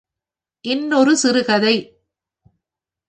இன்னொரு சிறுகதை!